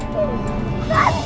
aku melakukan itu